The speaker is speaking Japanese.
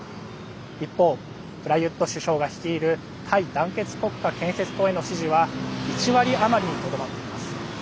一方、プラユット首相が率いるタイ団結国家建設党への支持は１割余りにとどまっています。